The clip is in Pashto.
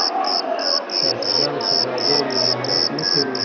شاه شجاع د سوداګرو ممانعت نه کوي.